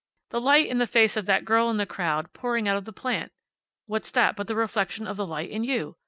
The light in the face of that girl in the crowd pouring out of the plant. What's that but the reflection of the light in you!